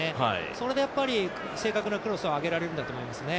それでやっぱり、正確なクロスを上げられるんだと思いますね。